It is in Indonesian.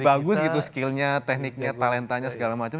bagus gitu skillnya tekniknya talentanya segala macam